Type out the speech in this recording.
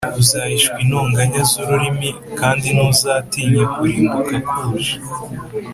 Uzahishwa intonganya z’ururimi, Kandi ntuzatinya kurimbuka kuje.